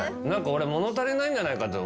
俺物足りないんじゃないかと。